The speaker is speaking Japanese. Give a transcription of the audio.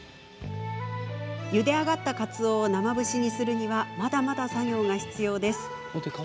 ゆで上がったかつおを生節にするにはまだまだ作業が必要です。